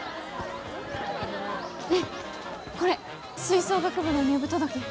ねえこれ吹奏楽部の入部届。